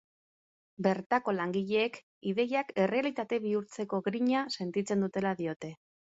Bertako langileek ideiak errealitate bihurtzeko grina sentitzen dutela diote.